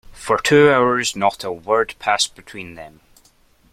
For two hours not a word passed between them.